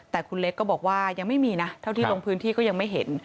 แต่คุณเล็กก็บอกว่ายังไม่มีนะเท่าที่ลงพื้นที่ก็ยังไม่เห็น